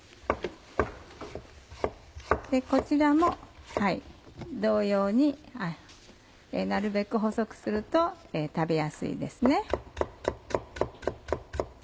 こちらも同様になるべく細くすると食べやすいですね。